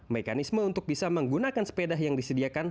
mekanisme untuk bisa menggunakan sepeda yang disediakan